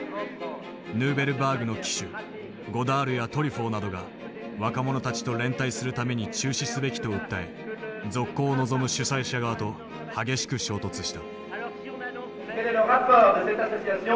ヌーベルバーグの旗手ゴダールやトリュフォーなどが若者たちと連帯するために中止すべきと訴え続行を望む主催者側と激しく衝突した。